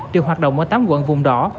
được hoạt động ở tám quận vùng đỏ